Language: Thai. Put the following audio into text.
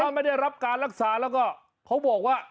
ไม่ได้รับการรักษาแล้วก็เขาบอกว่า